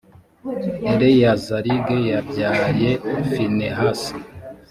eleyazarig yabyaye finehasi